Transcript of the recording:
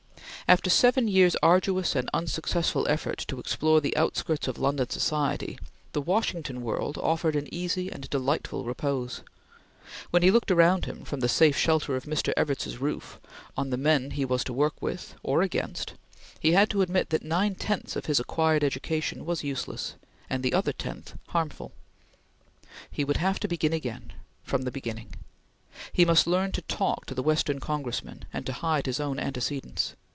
After seven years' arduous and unsuccessful effort to explore the outskirts of London society, the Washington world offered an easy and delightful repose. When he looked round him, from the safe shelter of Mr. Evarts's roof, on the men he was to work with or against he had to admit that nine tenths of his acquired education was useless, and the other tenth harmful. He would have to begin again from the beginning. He must learn to talk to the Western Congressman, and to hide his own antecedents.